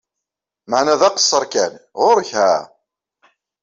Maɛna d aqeṣṣaṛ kan! Ɣuṛ-k ha!